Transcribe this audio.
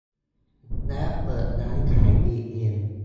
และเปิดร้านขายปลีกเอง